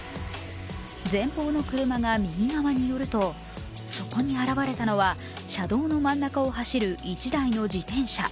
前方の車が右側によるとそこに現れたのは車道の真ん中を走る一台の自転車。